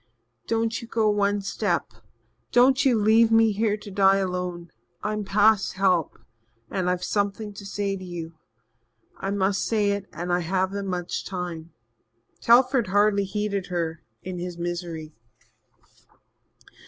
"Don't you go one step don't leave me here to die alone. I'm past help and I've something to say to you. I must say it and I haven't much time." Telford hardly heeded her in his misery.